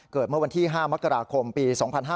เกิดเมื่อวันที่๕มกราคมปี๒๕๐๑